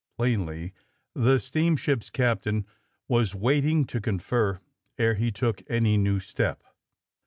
Plainly the steamship's captain was waiting to confer ere he took any new step.